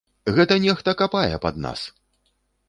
Гэта нехта капае пад нас!